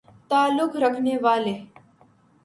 تعلق رکھنے والے